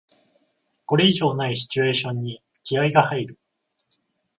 これ以上ないシチュエーションに気合いが入る